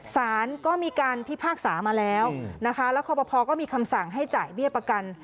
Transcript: สารก็มีการพิพากษามาแล้วนะคะแล้วคอปภก็มีคำสั่งให้จ่ายเบี้ยประกัน